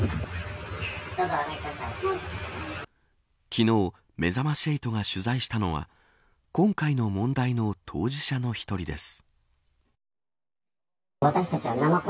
昨日めざまし８が取材したのは今回の問題の当事者の１人です。